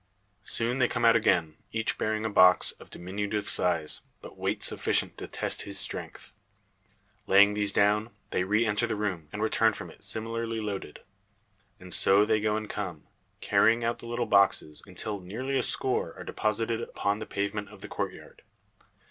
Soon they come out again, each bearing a box, of diminutive size, but weight sufficient to test his strength. Laying these down, they re enter the room, and return from it similarly loaded. And so they go and come, carrying out the little boxes, until nearly a score are deposited upon the pavement of the courtyard.